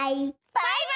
バイバイ！